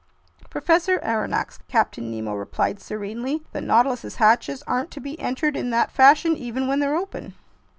"Professor Aronnax," Captain Nemo replied serenely, "the Nautilus's hatches aren't to be entered in that fashion even when they're open."